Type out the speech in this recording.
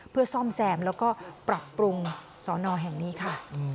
เพื่อซ่อมแซมแล้วก็ปรับปรุงสอนอแห่งนี้ค่ะ